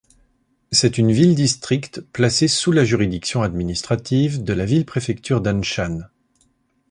C'est une ville-district placée sous la juridiction administrative de la ville-préfecture d'Anshan.